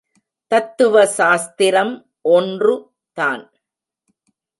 தத்துவ சாஸ்திரம் ஒன்று தான்.